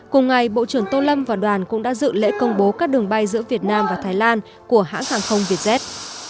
cùng ngày bộ trưởng tô lâm và đoàn cũng đã dự lễ công bố các đường bay giữa việt nam và thái lan của hãng hàng không vietjet